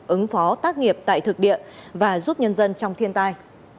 ứng phó tác nghiệp tại thực địa và giúp nhân dân trong thiên tai